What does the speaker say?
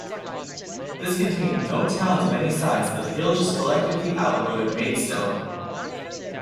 This contained no towns of any size, but the villages collectively outvoted Maidstone.